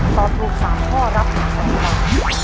ตอบถูก๓ข้อรับ๑๐๐๐บาท